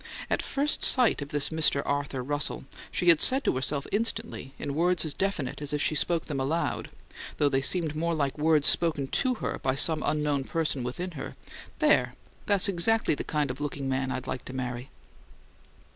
At first sight of this Mr. Arthur Russell, she had said to herself instantly, in words as definite as if she spoke them aloud, though they seemed more like words spoken to her by some unknown person within her: "There! That's exactly the kind of looking man I'd like to marry!"